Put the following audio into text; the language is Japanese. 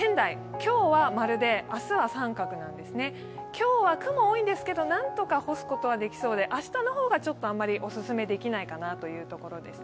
今日は雲多いんですけど、何とか干すことはできそうで、明日の方があまりお勧めできないかなというところです。